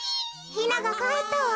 ヒナがかえったわ。